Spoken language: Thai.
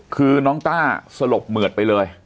คือน้องต้าสลบเหมือดไปเลย